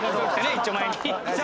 一丁前に。